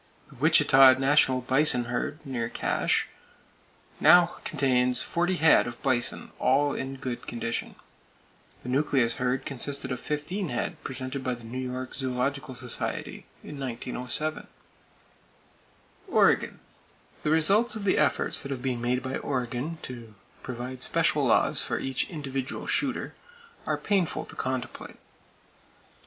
The Wichita National Bison herd, near Cache, now contains forty head of bison, all in good condition. The nucleus herd consisted of fifteen head presented by the New York Zoological Society in 1907. Oregon: The results of the efforts that have been made by Oregon to provide special laws for each individual shooter are painful to contemplate.